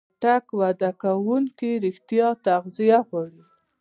چټک وده کوونکي وېښتيان تغذیه غواړي.